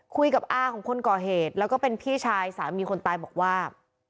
คุยกับอาของคนก่อเหตุแล้วก็เป็นพี่ชายสามีคนตายบอกว่า